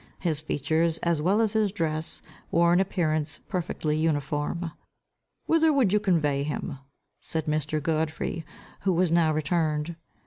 His features, as well as his dress, wore an appearance perfectly uniform. "Whither would you convey him?" said Mr. Godfrey, who was now returned.